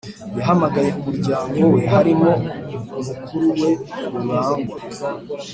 yahamagaye umuryango we harimo mukuruwe rurangwa